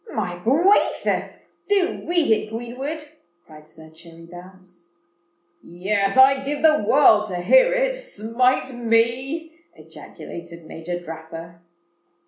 "My gwathioth!—do read it, Greenwood," cried Sir Cherry Bounce. "Yes: I'd give the world to hear it—smite me!" ejaculated Major Dapper.